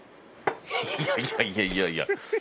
いやいやいやいやいや。